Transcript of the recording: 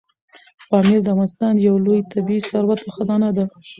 پامیر د افغانستان یو لوی طبعي ثروت او خزانه ده.